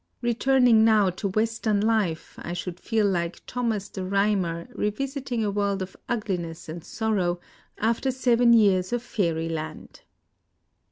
Keturn ino now to Western life, I should feel like Thomas the Rliymer revisiting a world of ugli ness and sorrow after seven years of fairyland.